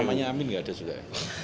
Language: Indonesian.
namanya amin tidak ada juga